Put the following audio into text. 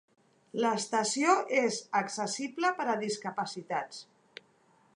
L'estació és accessible per a discapacitats.